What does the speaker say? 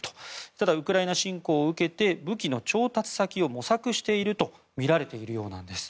ただウクライナ侵攻を受けて武器の調達先を模索しているとみられているようなんです。